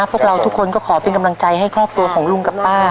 พวกเราทุกคนก็ขอเป็นกำลังใจให้ครอบครัวของลุงกับป้า